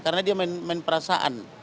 karena dia main perasaan